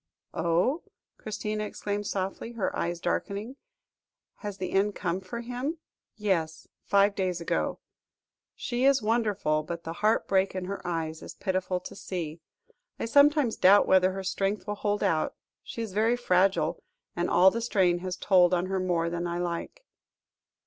"Oh!" Christina exclaimed softly, her eyes darkening; "has the end come for him?" "Yes, five days ago. She is wonderful, but the heart break in her eyes is pitiful to see. I sometimes doubt whether her strength will hold out; she is very fragile, and all the strain has told on her more than I like."